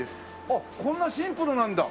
あっこんなシンプルなんだ。